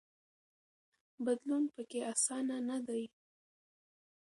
بدلون پکې اسانه نه دی.